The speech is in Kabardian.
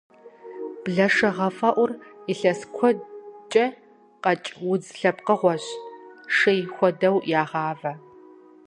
Блэшэгъэфӏэӏур илъэс куэдкӏэ къэкӏ удз лъэпкъыгъуэщ, шейм хуэдэу ягъавэ.